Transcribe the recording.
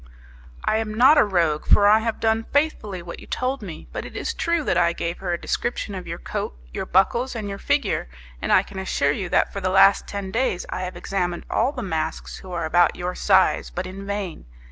"I am not a rogue, for I have done faithfully what you told me; but it is true that I gave her a description of your coat, your buckles, and your figure, and I can assure you that for the last ten days I have examined all the masks who are about your size, but in vain.